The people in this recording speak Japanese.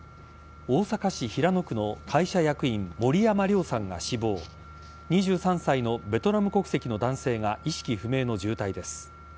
大阪市平野区の会社役員森山亮さんが死亡２３歳のベトナム国籍の男性が意識不明の重体です。